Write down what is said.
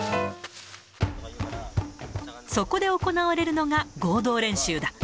そこで行われるのが合同練習だ。